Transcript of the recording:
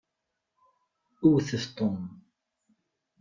Wwtet Tom.